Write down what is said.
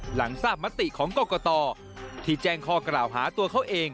หลังทราบมติของกรกตที่แจ้งข้อกล่าวหาตัวเขาเอง